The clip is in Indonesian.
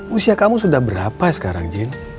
usia kamu sudah berapa sekarang jean